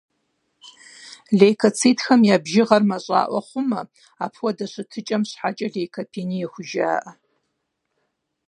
Лейкоцитхэм я бжыгъэр мащӏэӏуэ хъумэ, апхуэдэ щытыкӏэм щхьэкӏэ лейкопение хужаӏэ.